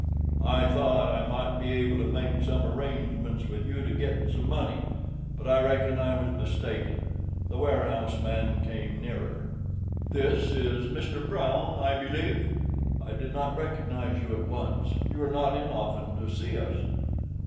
"I thought I mout be able to make some arrangements with you to git some money, but I reckon I was mistaken." The warehouse man came nearer. "This is Mr. Brown, I believe. I did not recognize you at once. You are not in often to see us."